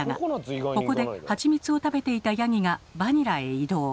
ここで「ハチミツ」を食べていたヤギが「バニラ」へ移動。